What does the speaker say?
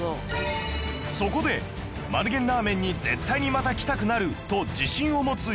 そこで丸源ラーメンに絶対にまた来たくなると自信を持つ